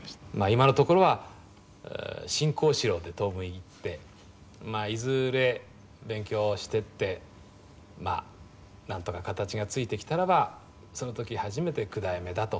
「今のところは新幸四郎で当分いってまあいずれ勉強していってまあなんとか形がついてきたらばその時初めて九代目だと」